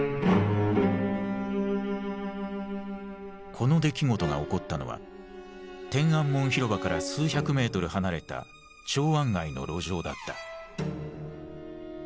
この出来事が起こったのは天安門広場から数百メートル離れた長安街の路上だった。